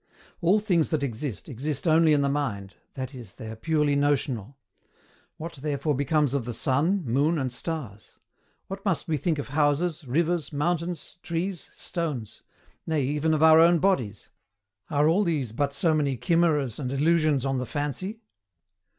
All things that exist, exist only in the mind, that is, they are purely notional. What therefore becomes of the sun, moon and stars? What must we think of houses, rivers, mountains, trees, stones; nay, even of our own bodies? Are all these but so many chimeras and illusions on the fancy?